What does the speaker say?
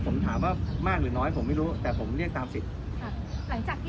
โดยทางเราได้คุยกับน้องก้าวกับครอบครัวในทางว่าต้องจ่าย๓ล้าน